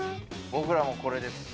僕らもこれです。